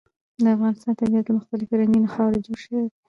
د افغانستان طبیعت له مختلفو او رنګینو خاورو جوړ شوی دی.